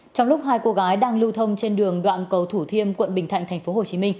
trong lúc hai cô gái đang lưu thông trên đường đoạn cầu thủ thiêm quận bình thạnh tp hcm